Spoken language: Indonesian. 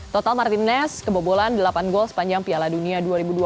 total martinez kebobolan delapan gol sepanjang piala dunia dua ribu dua puluh